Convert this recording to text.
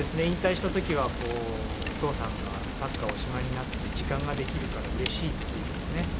引退した時はお父さんがサッカーおしまいになって時間ができるからうれしいっていうのをね